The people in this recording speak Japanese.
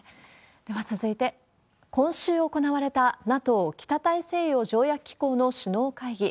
では続いて、今週行われたＮＡＴＯ・北大西洋条約機構の首脳会議。